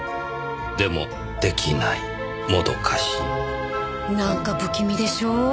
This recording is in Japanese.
「でもできないもどかしい」なんか不気味でしょう？